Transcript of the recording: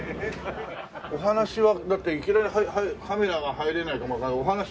お話はだっていきなりカメラが入れないかもわかんない。